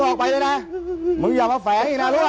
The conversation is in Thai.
อ้องไปละวันอยู่แล้ว